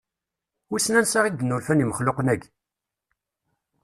Wissen ansa i d-nulfan imexluqen-aki?